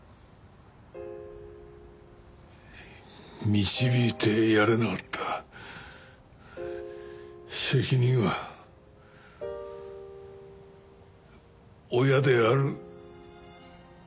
導いてやれなかった責任は親である私に。